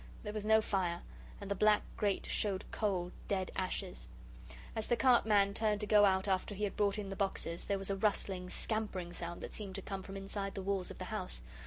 There was no fire, and the black grate showed cold, dead ashes. As the cart man turned to go out after he had brought in the boxes, there was a rustling, scampering sound that seemed to come from inside the walls of the house.